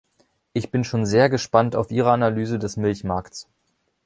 Ich bin schon sehr gespannt auf Ihre Analyse des Milchmarkts.